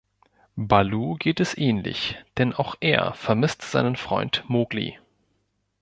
Balu geht es ähnlich, denn auch er vermisst seinen Freund Mogli.